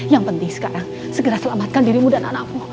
yang penting sekarang segera selamatkan dirimu dan anakmu